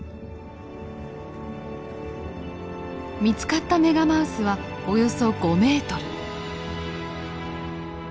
見つかったメガマウスはおよそ５ｍ。